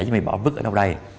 chứ mày bỏ vứt ở đâu đây